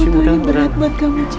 jassi aku ingin berat buat kamu